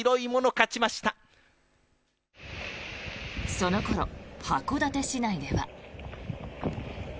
その頃、函館市内では。